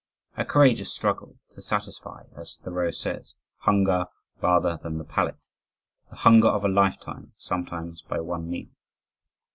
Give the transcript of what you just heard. A courageous struggle to satisfy, as Thoreau says, "Hunger rather than the palate" the hunger of a lifetime sometimes by one meal.